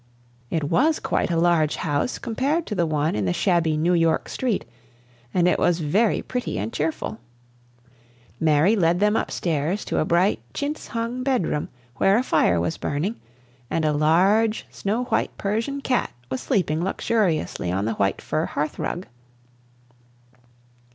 It was quite a large house compared to the one in the shabby New York street, and it was very pretty and cheerful. Mary led them upstairs to a bright chintz hung bedroom where a fire was burning, and a large snow white Persian cat was sleeping luxuriously on the white fur hearth rug.